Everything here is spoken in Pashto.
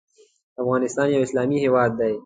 افغانستان یو اسلامی هیواد دی .